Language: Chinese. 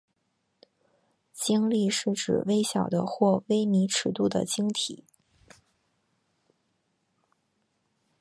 晶粒是指微小的或微米尺度的晶体。